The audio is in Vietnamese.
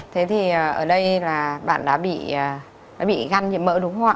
thế thì ở đây là bạn đã bị găn nhiễm mỡ đúng không ạ